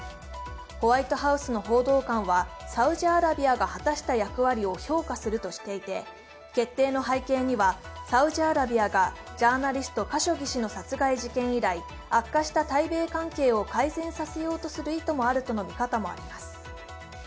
ホワイトハウスの報道官は、サウジアラビアが果たした役割を評価するとしていて決定の背景にはサウジアラビアがジャーナリスト、カショギ氏の殺害事件以来悪化した対米関係を改善させようとする意図もあるとの見方もあります。